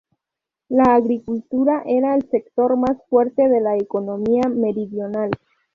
La agricultura era el sector más fuerte de la economía meridional.